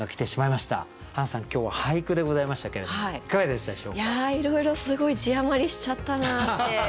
いやいろいろすごい字余りしちゃったなって後悔。